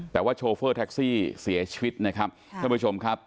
แต่ว่าโชเฟอร์แท็กซี่เสียชีวิตนะครับท่านผู้ชมครับ